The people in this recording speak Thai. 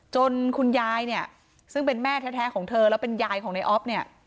คุณยายเนี่ยซึ่งเป็นแม่แท้ของเธอแล้วเป็นยายของในออฟเนี่ย